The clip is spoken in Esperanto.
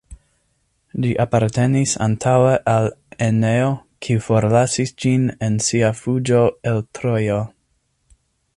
Ĝi apartenis antaŭe al Eneo, kiu forlasis ĝin en sia fuĝo el Trojo.